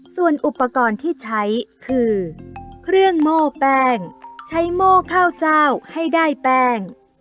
ส่วนอุปกรณ์ที่ใช้คือเครื่องโม่แป้งใช้โม่ข้าวเจ้าให้ได้แป้ง